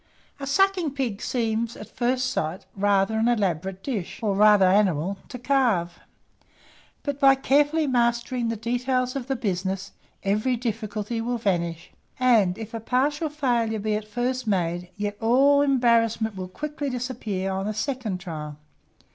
A sucking pig seems, at first sight, rather an elaborate dish, or rather animal, to carve; but by carefully mastering the details of the business, every difficulty will vanish; and if a partial failure be at first made, yet all embarrassment will quickly disappear on a second trial.